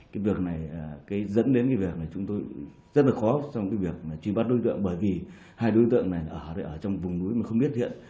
cái việc này dẫn đến cái việc này chúng tôi rất là khó trong cái việc mà truy bắt đối tượng bởi vì hai đối tượng này ở trong vùng núi mà không biết hiện